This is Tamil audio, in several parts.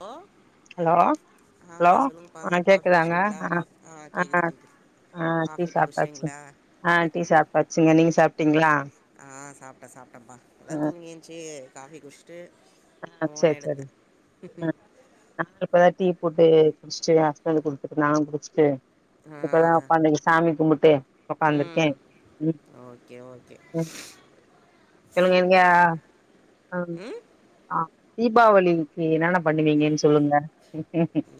ஹலோ ஹலோ ஆ ஹலோ சொல்லுங்கப்பா ஆ காஃபி கேக்குதாங்க குடிச்சிட்டிங்களா ஆ ஆ கேட்குது கேட்குது ஆ டீ காஃபி சாப்டாச்சு குடிச்சிட்டிங்களா ஆ டீ சாப்டாச்சுங்க நீங்க சாப்ட்டீங்களா ஆ சாப்டே சாப்டேப்பா இப்பதா ம் தூங்கி என்சு காஃபி குடுஸ்ட்டு ஆ சேர் செரி அ நானு இப்பதா டீ போட்டு குடுஸ்ட்டு எ ஹஸ்பண்ட்க்கு குடுத்துட்டு நானு குடுச்சுட்டு ஆ இப்பதா ஒக்காந்துருக்கே சாமி கும்புட்டு ஒக்காந்துருக்கே ம் இவெ ஓகே இவிங்க இவிங்க ஆம் ம் ஆ தீபாவளிக்கி என்னான்ன பண்ணுவீங்கன் சொல்லுங்க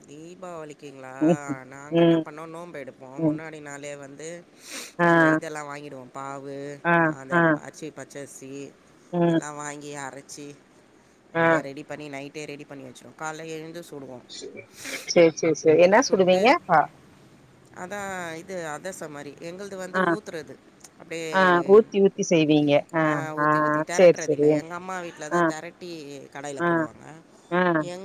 தீபாவளிக்குங்ளா நாங்க என்ன ம் பண்ணோ நோம்பெடுப்போ ம் முன்னாடி நாளே வந்து ஆ அந்த இதெல்லா வாங்கிடுவோ பாவு ஆ அந்த ஆ அச்சி பச்சரிசி ம் எல்லா வாங்கி அரச்சி ஆ நல்லா ரெடி பண்ணி நைட்டே ரெடி பண்ணி வச்சிருவோ கால்ல எழுந்து சுடுவோ செரி செரி செரி என்னா சுடுவீங்க அதா இது அதர்சோ மாரி எங்கள்து வந்து ஆ ஊத்துறது அப்டியே ஆ ஊத்தி ஊத்தி செய்வீங்க ஆ ஊத்தி ஊத்தி தெரட்றதில்ல எங்க அம்மா வீட்லதா ஆ தெரட்டி கடாய்ல போடுவாங்க அ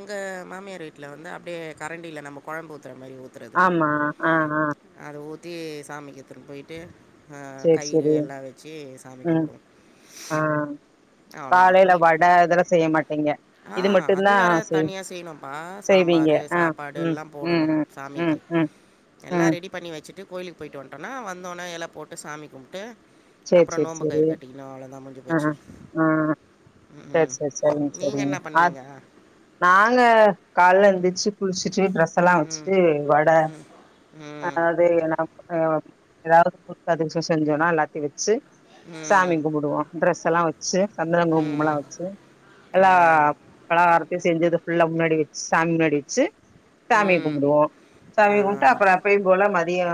எங்க மாமியார் வீட்ல வந்து அப்டியே கரண்டில நம்ப கொழம்பு ஊத்துற மாரி ஊத் ஆமா ஆ ஆ அத ஊத்தி சாமிக் எத்துடு போயிட்டு ஆ சேரி கயிறு சேரி எல்லா வெச்சி சாமி ம் கும்புடுவோ ஆ காலைல வீ வட இதெல்லா செய்ய மாட்டீங்க ஆ இது அது மட்டுந்தா வேற செய் தனியா செய்யணும்பா செய்வீங்க சாம்பாரு ஆ ம் சாப்பாடெல்லா ம் போடணு ம் ம் சாமிக்கி ம் எல்லா ம் ரெடி பண்ணி வச்சுட்டு கோயிலுக்கு போயிட்டு வந்ட்டோனா வந்தோன எல போட்டு சாமி கும்ப்ட்டு சேரி அப்புறொ சேரி நோம்பு சேரி கயிறு கட்டிகினோ அவளோ தா முஞ்சு ஆ போச்சு ஆ செர் ம். செர் செரிங்க நீங்க செரிங்க என்ன அ பண்ணுவீங்க? நாங்க கால்ல எந்திச்சு குளிச்சுட்டு ட்ரெஸ் எல்லா ம். வச்சுட்டு வட ம். அதாது ந எ எதாவ்து முறுக் அதிரிசொ செஞ்சோன்னா எல்லாத்தையு வெச் ச்சு சாமி ம். கும்புடுவோ ட்ரெஸ் எல்லா வச் சு சந்தனகுங்மலா ம். வச்சு ஆ. எல்லா பலகாரத் செஞ்சது ஃபுல்லா முன்னாடி வெச்சு சாமி முன்னாடி வெச்சு சாமி ம். கும்புடுவோ ஆ. சாமி கும்ட்டு அப்புற எப்பயும் போல மதியொ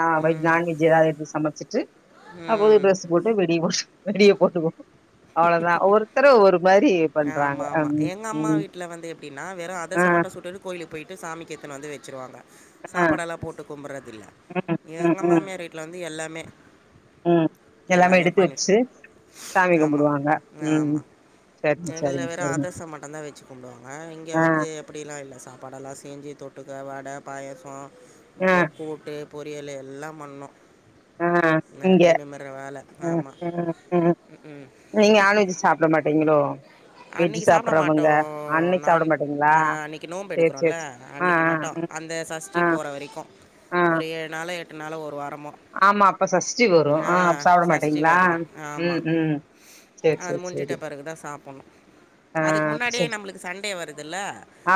ஆ வைக் ம். நான்வெஜ் எதாவ்து எடுத்து சமச்சிட்டு அ புது ம். ட்ரெஸ் போட்டு வெடிய [unintelligible] வெடிய போட்டு போ அவ்ளதா ஒருத்தரு ஒரு மாரி பண்றாங்க ம் ம் ப்டினா வேறு ஆ அதர்சம் மட்டு சுட்டுடு கோயிலுக் போயிட்டு சாமி கேத்னு வந்து வெச்சிருவாங்க ஆ சாப்பாடெல்லா போட்டு கும்பறதில்ல ம் ம் எங்க ம் மாமியாரிட் ட்ல வந்து எல்லாமே ம் எல்லாமே எடுத்து வச்சு சாமி கும்புடுவாங்க ம் ம் எங்கள்துல வெறு அதர்ச மட்டு தா வெச்சு கும்புடுவாங்க இங்கே ஆ வந்து அப்டிலா இல்ல சாப்பாடெல்லா செஞ்சு தொட்டுக்க வட பாயசொ ஆ கொ கூட்டு பொரியலு எல்லா பண்ணோ ஆ இங்க வேலை. அ ஆமா. அ அ ம், ம். நீங்க நான்விச் சாப் லோ மாட்டீங்களோ வெஜ் அன்னக்கி சாப்ட மாட்டோ சாப்ட்றவங்க அன்னைக்கு நா சாப்ட மாட்டீங்களா அ அன்னக்கி நோம்பு சேரி எடுக்குறோல சேரி சே ஆ அன்னக்கி ஆ மட்டு ம் அந்த ஆ சஷ்டி போற வரைக்கூ ஆ ஒரு ஏழு நாளோ எட்டு நாளோ ஒரு வாரமோ ஆமா அப்ப சஷ்டி வரு ஆ அப்ப ஆஹ், சாப்ட சஷ்டி மாட்டீங்ளா விரதம் ம் ஆமாம் ம் சேரி அது சேரி மூஞ்சிட்ட சேரி பெறகு தா சாப் புனு ஆ அதுக் முன்னாடியே சேரி நம்மளுக்கு சண்டே வருதுல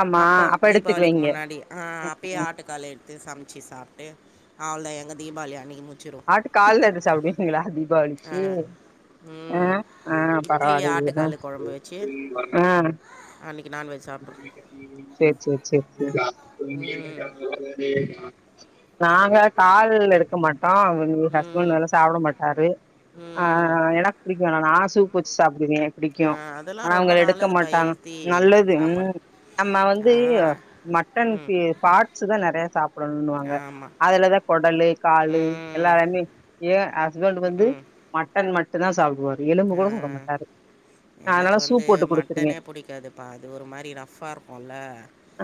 ஆமா அப்ப தீபாவளிக்கி எடுத்துக்குவீங்க முன்னா அப்டி ஆ அப்பயே ம் ஆட்டுக்கால் எடுத்து சமச்சு சாப்ட்டு அவள்தா எங்க தீபாளி அன்னிக்கி மு ஆட்டு கால்ல எடுத்து சாப்டுவீங்களா ஆ தீபாவளிக்கி ம் இட்லி ஆ ஆட்டுக்காலு கொழம் கொழம்பு வெச்சு ஆ அன்னைக்கி நான்வெஜ் சாப்டோ செரி செரி செரி செரி ம் நாங்க கால்லா எடுக்க மாட் ஆ அவங்க ஹஸ்பண்ட் ம் நல்லா சாப்பிட மாட்டாரு ஆ ம் எனக்கு புடிக்கு நா சூப் பூச்சு சாப்பிடுவே ஆ, புடிக்கோ ஆனா அதெல்லாம் அவங்க ரொம்ப எடுக்க நல்லதுப்பா மாட்டாங்க ஹெல்த்தி நல்லது சாப்பாடு ம் நம்ம வந்து ஆனால் ம் மட்டன்க்கு பாட்ஸ்தா நெறைய சாப்புடணுன்னுவாங்க ஆமாம் அதுலதா கொடலு காளு ம் எல்லார்மே ஏ ஹஸ்பண்ட் வந்து ம் மட்டன் மட்டுந்தா சாப்படுவாரு எலும்பு ஆ, கூட சாப்டமாட்டாரு எனக்கு வந்து மட்டனே புடிக்காதுப்பா அது ஒரு மாரி ரஃப்பா இருக்கோல்ல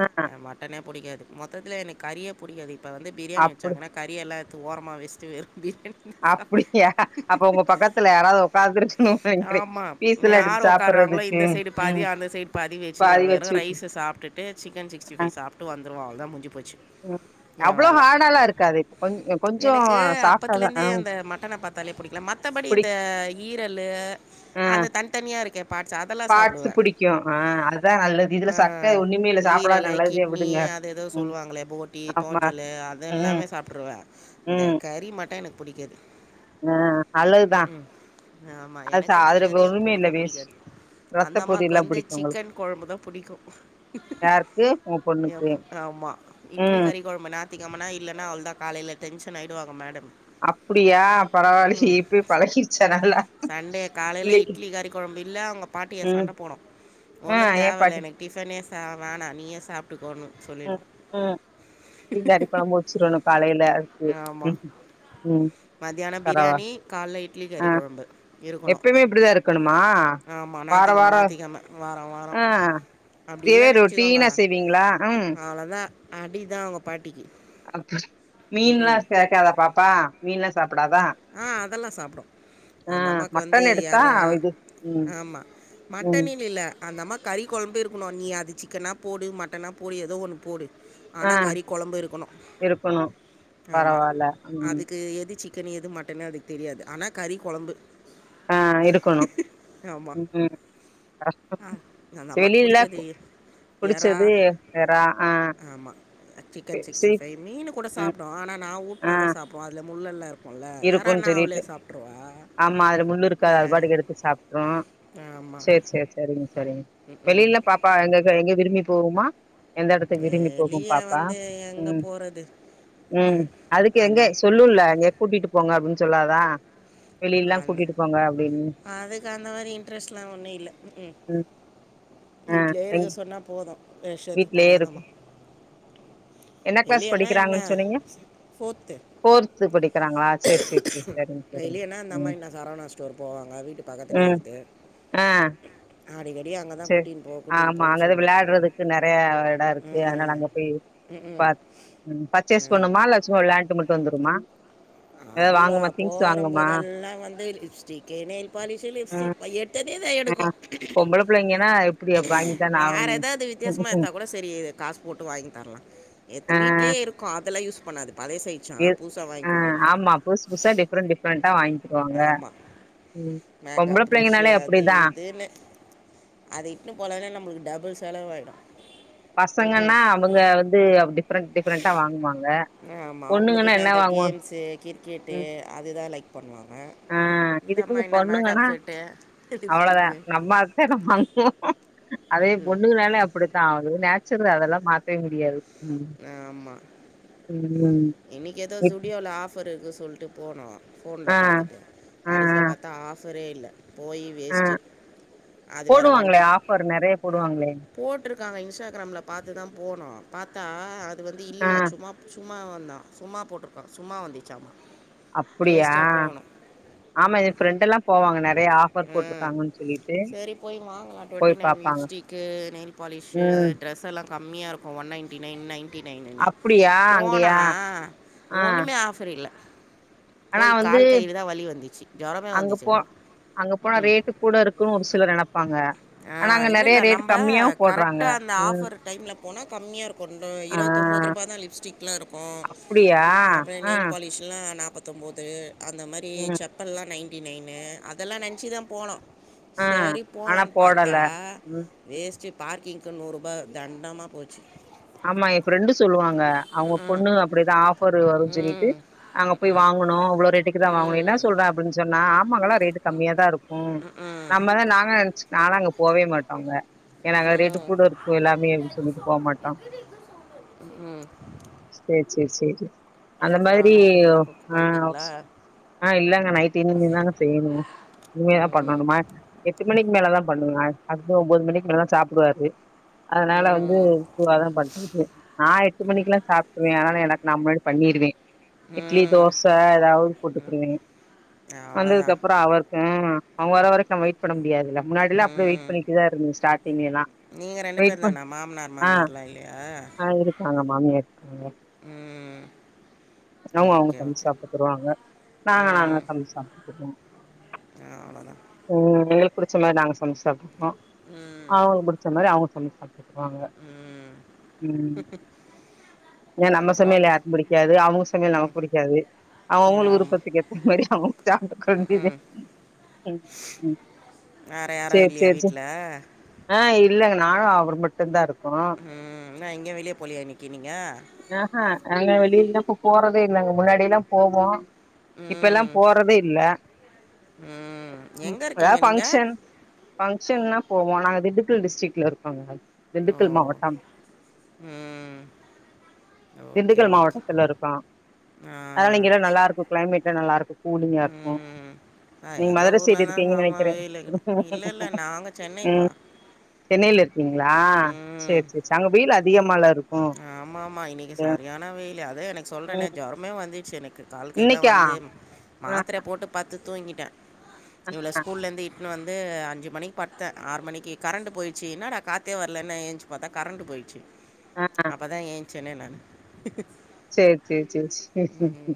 ஆ அ மட்டனே புடிக்காது மொத்தத்துல எனக்கு கறியே புடிக்காது இப்ப வந்து பிரியாணி அப்டி வச்சாங்கனா கறியெல்லா எடுத்து ஓரமா வெஸ்ட்டு வெறு பிரியாணி அப்டியா சாப்பிட்டு அப்ப உங்க பக்கத்துல யாராவது உக்காந்துருக்க ஆமா யார் உக்காறாங்களோ சாப்டுறதுக்கு இந்த சைடு பாதி ம் அந்த சைடு பாதி வெச்சிருவே வெறு வச்சு விட்டு ரைஸ சாப்டுட்டு சிக்கன் ஆ சிக்ஸ்டிஃபைவ் சாப்டு வந்துருவோ அவள்தா முஞ்சி போச்சு என் அவ்ளோ வேலை ஹாடாலா இருக்காது இப்ப கொஞ்ச கொஞ்சோ சாஃப்டாதா ஆ தலைய புடிக்கல மத்தபடி இந்த புடிக் ஈரலு ஆ அந்த தனி தனிய இருக்கே பாட்ஸ் அதெல்லா பாட்ஸ் சாப்புடுவே புடிக்கு ஆ அதா நல்லது இதுல ஆ சக்க ஒண்ணுமே இல்ல சாப்டாது ஈரலு நல்லதே கிட்னி விடுங்க அது எததோ ம் சொல்லுவாங்களே போட்டி ஆமா தோஞ்சலு அது ம் எல்லாமே சாப்ட்ருவே இந்த கறி மட்டோ எனக் புடிக்காது ம் அலகுதா ஆமா எனக்கு புடிக்காது ஏ இல்ல பொண்ணுக்கு வேஸ்ட் புடிக்காது ரத்த அந்த அம்மாக்கு பொரியல்லா வந்து புடிக்கு உங்களுக்கு சிக்கன் கொழம்புதா புடிக்கு யாருக்கு உங்க பொண்ணுக்கு ஏம்பு ஆமா இட்லி ம் கறி கொழம்பு நாத்திகு ரொம்ப நேர இல்லன்னா அவள்தா காலைல டென்ஷன் ஆயிடுவாங்க மேடம் அப்டியா பரவால்லியே எப்படியோ பழகிடுச்சா நம்மல்ல சன்டே காலைல இட்லி கறி கொழம்பு இல்ல அவங்க பாட்டிய ம் சண்ட போடு ஆ ஒன்னு ஏ தேவல பாட்டி எனக்கு டிஃபனே ச வேணா நீயே சாப்ட்டுக்கோணு சொல்லிடு [unintelligible] குழம்பச்சிரணும் காலைல அக்கு மதியானே பிரியாணி காலைல இட்லி ஆ கறி குழம்பு இருக்கணு எப்பயுமே இப்டிதா இருக்கணுமா ஆமா வார நாத்திக்கிழம வாரோ நாத்திக்கிழம வாரோ வாரோ ஆ அப்டி இதே இல்லன்னு நெனச்சுக்கோங்க ரொட்டீனா செய்வீங்களா ம் அவ்ளதா அடிதா அவங்க பாட்டிக்கி அப்பா மீன்லா சேக்காதா பாப்பா மீன்லா சாப்புடாதா ஆ அதெல்லாம் சாப்பிடும் அந்த அம்மாக்கு வந்து எறா இது ம் ஆமா ம் மட்டனுன்னு இல்ல அந்த அம்மாக் கறி கொழம்பு இருக்கணு நீ அது சிக்கனா போடு மட்டனா போடு ஏதோ ஒன்னு போடு ஆ ஆனா கறி கொலம்பு இருக்கணு இருக்கணு ஆமா பரவால்ல ம் அதுக்கு எது சிக் சிக்கன் எது மட்டன் அதுக்கு தெரியாது ஆனா கறி கொலம்பு ஆ எடுக்கணு ம் அ நா அந்த அம்மாக்கு வெளில புடிச்சது எறா புடிச்சது எறா ஆ ஆமா சிக்கன் சி சிக்ஸ்டி ஃபைவ் மீனு கூட ம் சாப்புடோ ஆனா நா ஊட் ஆ நாதா சாப்டுவோ அதுல முல்லெல்லா இருக்கோல்ல இருக்குன்னு எறான்னா அவளே சொல்லிட்டு சாப்ட்ருவா ஆமா அதுல முள்ளு இருக்காது அதுபாட்டுக்கு எடுத்து சாப்ட்றோ ஆமா. சேர் சேர் சேரிங்க சேரிங்க ம். வெளியில்லா பாப்பா எங்க எங்க எங்கியு விரும்பி போவுமா எல்லா எடத்துக்கு விரும்பி போகு வெளிய பாப்பா வந்து எங்க ம் போறது? ம் அதுக்கு எங்க அதான். சொல்லுல்ல எங்க கூட்டிட்டு போங்க அப்டின்னு சொல்லாதா வெளியிலல்லா ஆளு கூட்டிட்டு போங்க அப்டின்னு அதுக்கு அந்த மாரி இன்ட்ரெஸ்ட்லா ஒண்ணு இல்ல ம்கு ம் ஆ வீட்யே இருக்க எங் சொன்னா போது வேஷத்துப்பாங்க வீட்லயே அந்த அம்மா இருக்கும் என்ன கிளாஸ் வெளியலா என்ன படிக்கிறாங்கன்னு சொன்னீங்க ஃபோர்த்து ஃபோர்த்து படிக்கிறாங்களா சேரி சேரி சேரி சரிங்க சரிங்க வெளியனா இந்தம்மா ம் என்ன சரவணா ஸ்டோர் போவாங்க வீட்டுக் பக்கத்துலே ம் இகித்து ஆ அடிகடி அங்கதா கூட்டின் போ கூட்டின் போன் சொல்வா எ நெறே எடா இருக்கு அதுனால அங்க பி ம்ம். பார் ம் பர்ச்சேஸ் ஆம். பண்ணுமால்ல சும்மா விளையாண்ட்டு மட்டு வந்துருமா ஏதாவது அதுவா வாங்குமா திங்ஸ் போறமா வாங்குமா போதெல்லா வந்து லிப்ஸ்டிக்கு நெய்ல் பாலிஷு ம் லிப்ஸ்டிக் வை எட் தனியாதா எடுக்கோ ப்லங்கெனாய் வேற ஏதாது வித்தியாசமா எத்தா கூட சரி காஸ் போட்டு வாங்கி தர்லா ஆ எத்து வீட்லே இருக்கு அதெல்லா யூஸ் பண்ணாது பழே செய் தியத் ஆ ஆமா புஸ் புஸ்ஸா டிஃப்ரெண் டிஃப்ரெண்ட்டா வாங் ஆமா பொம்பள மேக்கப் ப்ரஷ்ஷு புள்ளைங்கனாலே அது அப்டிதா இதுனு அத இட்னு போலாலே நம்பளுக்கு டபுள் செலவாய்டு பசங்கன்னா அவங்க வந்து அவ் டிஃப்ரண் டிஃப்ரண்ட்டா வாங்குவாங்க ஆமா அவங்களுக் பொண்ணுங்கன்னா என்ன கிட்னந்த வாங்கு கேம்ஸு கிர்க்கெட்டு ம் அதுதா லைக் பண்வாங்க ஆ இதுக்கு பொண்ணுங்கன்னா அவ்ளதா லிப்ஸ்டிக்கு நம்மாஸ் [unintelligible] அதே பொண்ணுங்குனாலே அப்படித்தா ஆவ்து நேச்சர்லே அதெல்லா மாத்தவே முடியாது ம் ம் இன்னிக் எதோ இப் ஜூடியோல ஆஃபர் இருக்கு சொல்ட்டு போனோ ஃபோன்ல ஆ பாத்துட்டு ஆ கடசில பாத்தா ஆஃபரே இல்ல போயி ஆ ஆ வேஸ்ட்டு அது வேற போடுவாங்களே வண்டிப் ஆஃபர் நெறைய போடுவாங்களே போட்ருக்காங்க இன்ஸ்டாக்ராம்ல பாத்து தா போனோ பாத்தா அது வந்து ஆ இல்லயா ச்சும்மாப் ச்சும்மா வந்நா சும்மா போட்ருக்கா சும்மா வந்திச்சாமா அப்பிடியா ஆமா எ ஃப்ரெண்டெல்லா போவாங்க நெறையா ஆஃபர் ம் போட்ருக்காங்கன் சொல்லிட்டு போய் பாப்பாங்க க்கு நெய்ல் பாலிஷு ம் அயெ ட்ரெஸ் எல்லா கம்மியா இருக்கு வன் நைன்ட்டி நைன் நைன்ட்டி நைன்னுன்னு அப்புடியா அங்கயா ஆ ஆ ஒன்னுமே ஆஃபர் இல்ல ஆனா போய் வந்து கால் கைலதா வலி வந்திச்சி ஜொரமே அங்க வந்துச்சி போ அவனுக்கு எங்க அங்க போனா ரேட்டு கூட இருக்கு ஒரு சிலர் நெனப்பாங்க ஆ ஆனா அங்க நெறைய இல்லல்ல்ல ரேட் நம்ப கம்மியாவு போட்றாங்க கரக்ட்டா அந்த ம் ஆஃபர் டைம்ல போனா கம்மியார் கொண்டு ஆ இருஸத்தொம்போத் ருபாதா லிப்ஸ்டிக்லா இருக்கு அப்டியா அப்ற ஆ நெய்ல் பாலிஷ் ல்லா நாப்பத்தொம்போது அந்த மாரி ம் சப் ப்பல்லா நைன்ட்டி நைனு அதல்லா நென்ச்சிதா போனு ஆ சரி ஆனா போலான் பாத்தா போடல ம் வேஸ்ட்டு பார்க்கிங்க்கு நூருபா தண்டமா போச்சு ஆமா என் ஃப்ரெண்டு சொல்லுவாங்க அவங்க ம்ஹ்ம். பொண்ணு அப்டிதா ஆஃப் பொறு வரு ஜொல்லிட்டு ம். அங்க போய் ம்ஹ்ம். வாங்கணு அவ்ளோ ரேட்டுக்கு தா வாங்கணு என்னா ம். சொல்றேப் பின்னி சொன்னா ஆமாங்கல்லா ரேட்டு கம்மியாதா ருக்கு ம்ஹ்ம். நம்மதா நாங்க நன்ச்சு நாலா அங்க போவே மாட்டோங்க ஏன்னா க ரேட்டு ம். கூட ருக்கு எல்லாமே அப்டி சொல்லிட்டு போ மாட் ம் ம்ம் ச்சே ச்சே செரி அந்த நைட்டுக்கு மாரியோ என்ன குக் ஆ பண்ணிட்டீங்களா? ஆ இல்லங்க நைட் இனிமேதாங்க செய்யணு இனிமேதா ம், பண்ணணும எட்டு மணிக்கு மேலதா பண்ணுவ ஹஷ்பன் ஒம்போது மணிக்கு மேலதா சாப்புடுவாரு அதனால வந்து ம், இதுவாதா நா எட்டு மணிக்குல்லா சாப்ட்றுவே அதனால எனக்கு நா முன்னாடி பண்ணிருவே இட்லி ம். தோச ஏதாவது போட்டுக்குறுவே வந்ததுக்கு அவ்வளோதான் அப்புறோ அவரு ம் அவோ வர வரைக்கு நம்ம வெய்ட் பண்ண முடியாதுல்ல முன்னாடிலா அப்டி வெயிட் ம் பண்ணிட்டுதா இருந்த ஸ்டாடிங்லலா நீங்கள் ரெண்டு பேர் தானா மாமனார் ஆ மாமியார்லாம் இல்லையா ஆ இருக்காங்க மாமியார் இருக்காங்க ம் அவுங்க அவுங்க ஓகே சமச்சு ஓகே சாப்ட்டுகுருவாங்க நாங்க நாங்களா சமச்சு சாப்ட்டுகுடுவோ ஆ அவ்ளோதா ம் எங்களுக்கு புடிச்ச மாரி நாங்க சமச்சு சாப்ட்டுப்போ ம் அவுங்களுக்கு புடிச்ச மாரி அவுங்க சமச்சு சாப்ட்டு பாங்க ம் ம் ஏ நம்ம அப்புறம் சமையல் யாருக்கு புடிக்காது அவுஉங்க சமையல் ம் நமக்கு புடிக்காது அவுங்க ஆமாம் விருப்பத்துக்கு ஏத்த மாரி அவுங்க சாப்ட்டுக்க வேண்டிதா ம் வேற யாரு இல்லையா வீட்ல ஆ இல்லைங்க நானு அவரு மட்டுதா இருக் ம் என்னா எங்கயு வெளிய போலியா இன்னிக்கு நீங்க ஆஹா நாங்க வெளியல இப்பொ போறதெ இல்லங்க முன்னாடிலா போவோ இப்பல்லா ம் போறதே இல்ல ம் உ எங்கே எதா இருக்கீங்க நீங்கள் ஃபங்ஷன் ஃபங்க்ஷன்னா போவோ நாங்க திண்டுக்கல் டிஸ்ட்ரிக்ல இருக்கோங்க ஓ [unintelligible] மாவட்டம் ம் ஓகே திண்டுக்கல் ஓகே மாவட்டத்துல இருக்கோ ஆ அதால இங்க எல்லா சரி நல்லா இருக்கு கிளைமேட்ல நல்லா இருக்கு கூலிங்கா இருக்கு ம் நான் நீங்க எங்கள் மதுர சைடு ஊரில் தான் இருக்கீங்கனு சாமான் நெனக்கிறே வெயில் இருக்கணும் இல்லை இல்லை நாங்கள் சென்னைப்பா ம் சென்னைல இருக்கீங்ளா செரி செரி செர் அங்க வெயில அதிகமால இருக்கு ம் ஆமா ஆமா இன்னைக்கு சரியான வெய்லு அதா எனக்கு சொல்றேனெ ஜொரமே வந்துச்சு எனக்கு கால் கைலா இன்னைக்கா வந்து ஆ மாத்தரய போட்டு பத்து தூங்கிட்டே இவள ஆ ஸ்கூல்ல இந்து ஈ ங்கு வந்து அஞ்சு மணிக்கு படுத்தே ஆறு மணிக்கு கரண்டு போயிச்சு என்னடா காத்தே வரலன்னு எஞ்ச்சி பாத்தா கரண்டு போயிட்ச்சு அ அப்பதா ஏன்ச்சனே நானு சேரி செரி செரி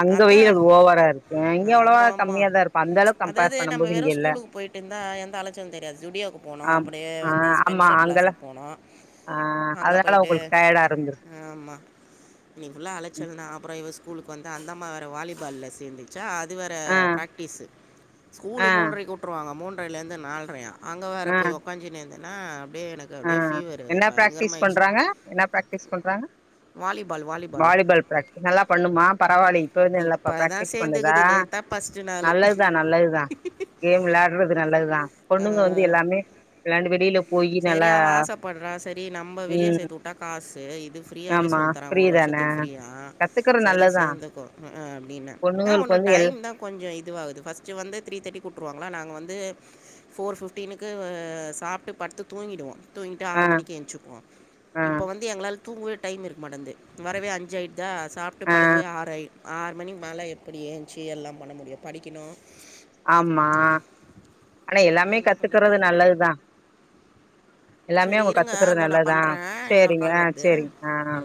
அங்க வெயில் அதான் ஓவரா இருக்கு இங்க அவ்ளவா ஆமா, ஆமா. கம்மியா தா இருக்கு அந்த அளவுக்கு கம்பேர் பண்ணும் போது இங்க இல்ல போயிட்டுருந்தா எந்த அலச்சளு தெரியாது ஸ்டுடியோக்கு போனோ ஆம் அப்டியே ஆ வந்து ஆமா ஸ்பென்சர் அங்கெல்லா பிளாஸா போனோ ஆ அதால உங்களுக்கு டயடா இருந்து ஆமா இன்னக்கி ஃபுல்லா அழச்சல் தா அப்ற இவ ஸ்கூலுக்கு வந்தா அந்தம்மா வேற வாலிபால்ல சேந்து ச்சா அது வேர ஆ ப்ராக்டிஸு ஸ்கூலு ஆ மூன்றக்கு உட்டுருவாங்க மூன்றேலிருந்து நால்ரையா அங்க வேர ஆ போய் உக்காஜின்னு இருந்தேன்னா அப்டியே எனக்கு ஆ அப்டியே ஃபீவர்ரு என்ன பிராக்டிஸ் பயங்கரமாயிடுச்சு பண்றாங்க என்ன ப்ராக்டிஸ் பண்றாங்க வாலிபால் ப்ராக்டிஸ் நல்லா பண்ணுமா பரவாயில்ல இப்ப இருந்தே நல்லா ப்ப தான் பிராக்டிஸ் பண்ணுதா சேர்ந்துக்குது. நேத்து தான் ஃபர்ஸ்ட்டு நாளு. நல்லதுதா நல்லதுதா கேம் வெளாடுறது நல்லதுதா ஆ. பொண்ணுங்க வந்து எல்லாமே வெளாண்டு வெளியில போய் செரி அவ ஆசப்பட்றா சரி நம்ப வெளியே ம் சேத்து உட்டா காசு இது ஃப்ரீயாவே ஆமா சொல் லி தரா ஃப்ரீ ஒரு தான வருஷத்துக்கு ஃப்ரீயா கத்துக்கறது சரி நல்லதுதா சேந்துக்கோ ம் அ அப்டின்ன என்னா பொண்ணுங்களுக்கு ஒன்னு வந்து எல் டைம் தா கொஞ்சோ இதுவாது ஃபர்ஸ்ட்டு வந்து த்ரீ தேட்டிக்கு வுட்டுருவாங்களா நாங்க வந்து ஃபோர் பிஃப்டீனுக்கு அ சாப்ட்டு படுத்து தூங்கிடுவோ தூங்கிட்டு ஆ ஆறு மணிக்கு எஞ்சுப்போ ஆ இப்போ வந்து எங்களால தூங்கவே டைம் இருக்க மாட்டன்ந்து வரவே அஞ்சாயிட் தா சாப்ட்டு ஆ படுக்கவே ஆறாயி ஆறு மணிக்கு மேல எப்டி ஏஞ்ச்சி எல்லா பண்ண முடியு படிக்கணு ஆமா ஆனா அதான் எல்லாமே என்ன பண்ணுறது கத்துக்கறது நல்லதுதா எல்லாமே சரி அவுங்க இருங்க கத்துக்கறது அதோ நான் நல்லதா பண்ணுறேன் இன்னொரு சேரிங்க கால் ஆ வருது சேரிங்க ஆ